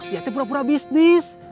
ya teh pura pura bisnis